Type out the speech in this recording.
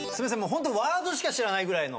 ホントワードしか知らないぐらいの。